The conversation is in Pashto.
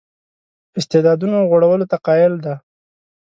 استعدادونو غوړولو ته قایل دی.